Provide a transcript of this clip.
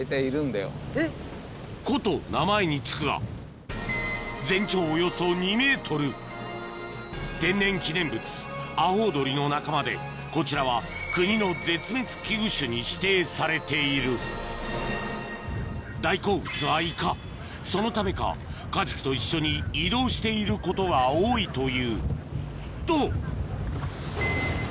「コ」と名前に付くが全長天然記念物アホウドリの仲間でこちらは国の絶滅危惧種に指定されている大好物はイカそのためかカジキと一緒に移動していることが多いというと！